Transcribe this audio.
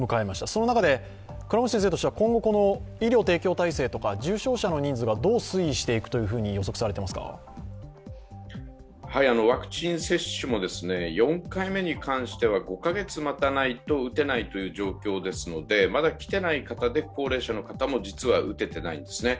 その中で倉持先生としては今後、医療提供体制や重症者の人数がどう推移していくとワクチン接種も４回目に関しては５カ月待たないと打てないという状況ですのでまだ来ていない方で高齢者の方も実は打ててないんですね。